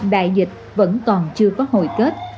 đại dịch vẫn còn chưa có hồi kết